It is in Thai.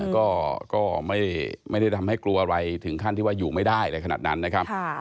ก็ไม่ได้ทำให้กลัวอะไรถึงขั้นที่ว่าอยู่ไม่ได้อะไรขนาดนั้นนะครับ